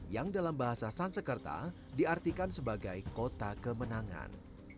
yang dalam bahasa sansekerta diartikan sebagai kota kemenangan